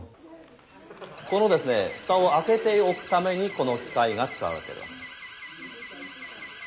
このですね蓋を開けておくためにこの機械が使われてる。